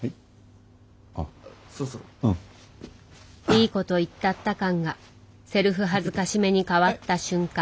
いいこと言ったった感がセルフ辱めにかわった瞬間